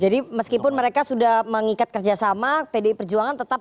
jadi meskipun mereka sudah mengikat kerjasama pdi perjuangan tetap